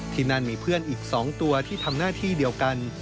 ที่นั่นมีเพื่อนอีก๒ตัวที่ทำหน้าที่เดียวกัน